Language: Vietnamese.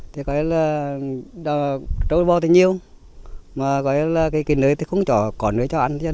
thì có lẽ là trâu bò thì nhiều mà có lẽ là cái nơi thì không có nơi cho ăn